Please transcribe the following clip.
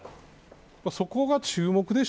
そこが注目です。